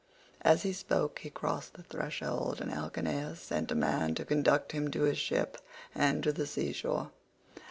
As he spoke he crossed the threshold, and Alcinous sent a man to conduct him to his ship and to the sea shore.